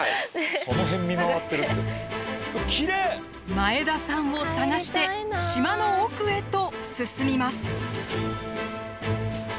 前田さんを捜して島の奥へと進みます。